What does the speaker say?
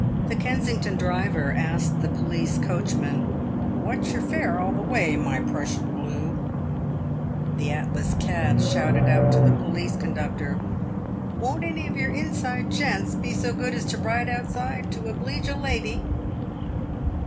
The Kensington driver asked the police coachman " "What's yer fare all the way, my proosshun blue ?" The Atlas cad shouted out to the police conductor, " Won't any of your inside gents be so good as to ride outside to obleege a lady